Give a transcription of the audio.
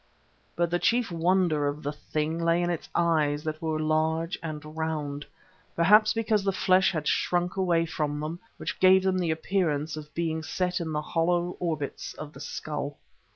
But the chief wonder of the Thing lay in its eyes that were large and round, perhaps because the flesh had shrunk away from them, which gave them the appearance of being set in the hollow orbits of a skull.